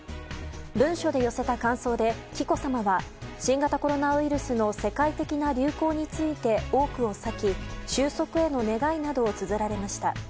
文書で寄せた感想で紀子さまは新型コロナウイルスの世界的な流行について多くを割き、収束への願いなどをつづられました。